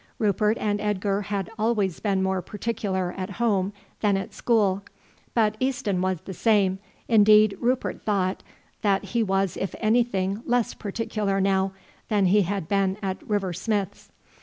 Rupert and Edgar had always been more particular at home than at school; but Easton was the same, indeed Rupert thought that he was if anything less particular now than he had been at River Smith's.